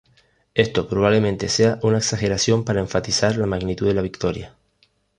Esto probablemente sea una exageración para enfatizar la magnitud de la victoria.